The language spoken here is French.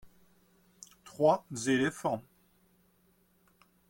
trois éléphants.